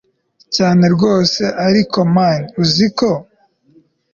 cyane rwose ariko mn uziko